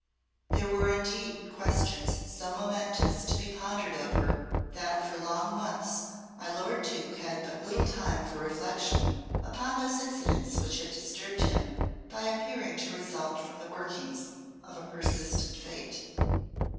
There were indeed questions so momentous to be pondered over that for long months my lord Duke had but little time for reflection upon those incidents which had disturbed him by appearing to result from the workings of persistent Fate.